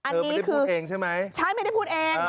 เธอไม่ได้พูดเองใช่มั้ยใช่ไม่ได้พูดเอง